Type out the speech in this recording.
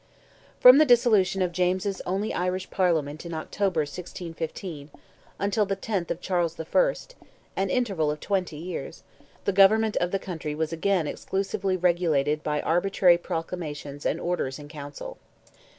From the dissolution of James's only Irish Parliament in October, 1615, until the tenth of Charles I.—an interval of twenty years—the government of the country was again exclusively regulated by arbitrary proclamations and orders in Council.